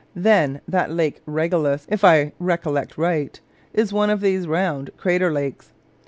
Then that Lake Regillus (if I recollect right) is one of these round crater lakes.